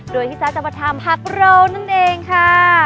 โดยที่ซ้าจะมาทำผักเรานั่นเองค่ะ